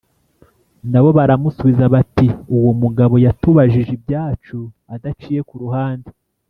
Na bo baramusubiza bati uwo mugabo yatubajije ibyacu adaciye ku ruhande